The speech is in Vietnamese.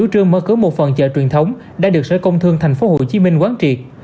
trường mở cửa một phần chợ truyền thống đã được sở công thương tp hcm quán triệt